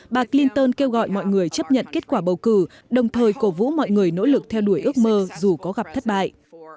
bà clinton kêu gọi mọi người chấp nhận kết quả bầu cử đồng thời cổ vũ mọi người nỗ lực theo đuổi ước mơ dù có gặp thất bại